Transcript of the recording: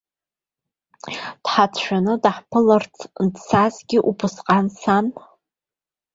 Дҳацәшәаны, даҳԥыларц дцазҭгьы убасҟан сан?